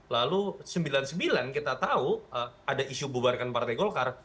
lalu sembilan puluh sembilan kita tahu ada isu bubarkan partai golkar